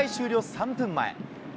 ３分前。